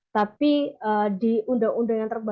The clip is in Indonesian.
tapi di undang undang yang terbaik